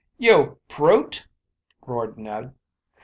"You brute!" roared Ned.